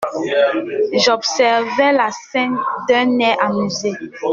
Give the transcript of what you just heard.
J’observais la scène d’un air amusé.